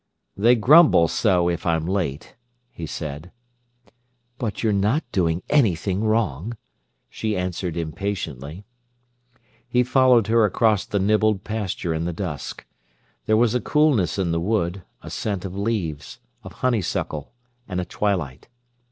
"They grumble so if I'm late," he said. "But you're not doing anything wrong," she answered impatiently. He followed her across the nibbled pasture in the dusk. There was a coolness in the wood, a scent of leaves, of honeysuckle, and a twilight.